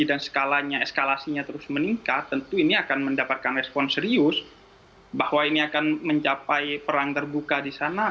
skalanya eskalasinya terus meningkat tentu ini akan mendapatkan respon serius bahwa ini akan mencapai perang terbuka di sana